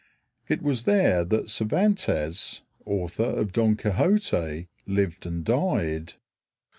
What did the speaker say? It was there that Cervantes, author of "Don Quixote," lived and died.